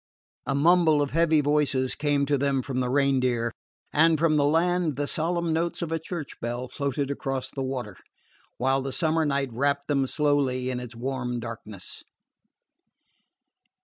A mumble of heavy voices came to them from the Reindeer; and from the land the solemn notes of a church bell floated across the water, while the summer night wrapped them slowly in its warm darkness.